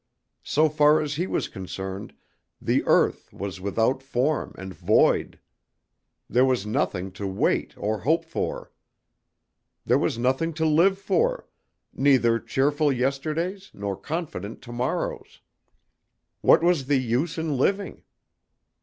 So far as he was concerned, the earth was without form and void. There was nothing to wait or hope for. There was nothing to live for, neither cheerful yesterdays nor confident to morrows. What was the use in living?